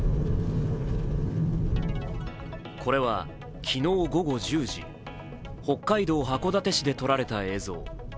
これは昨日午後１０時北海道函館市で撮られた映像。